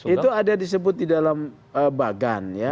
itu ada disebut di dalam bagan ya